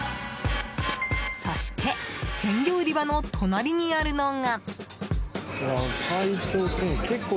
そして鮮魚売り場の隣にあるのが。